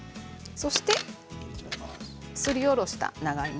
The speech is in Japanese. そして、すりおろした長芋